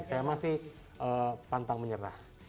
saya masih pantang menyerah